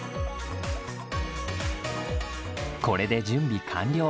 これで準備完了。